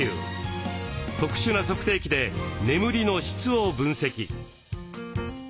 特殊な測定器で眠りの質を分析。